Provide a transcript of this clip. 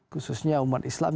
khususnya umat islam